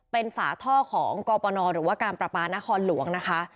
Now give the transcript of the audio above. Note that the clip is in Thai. เป็นฝาท่อของกปนหรือว่าการประปานครหลวงนะคะ